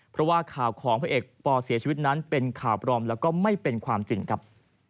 เพราะว่าข่าวของพระเอกปเสียชีวิตนั้นเป็นข่าวปลอมแล้วก็ไม่เป็นความจริงครับ